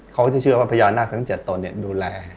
เขาจะเชื่อว่าพญานาคต์ทั้ง๗ตัวเนี่ยดูแล